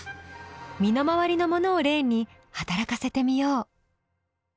身の回りのものを例に働かせてみよう。